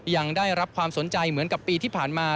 ยังได้รับความสนใจเหมือนกับปีที่ผ่านมา